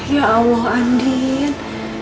ya allah andien